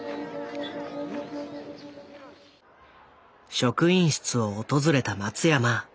職員室を訪れた松山。